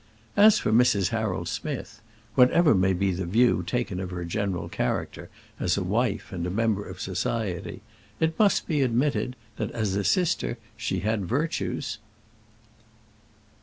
As for Mrs. Harold Smith, whatever may be the view taken of her general character as a wife and a member of society, it must be admitted that as a sister she had virtues.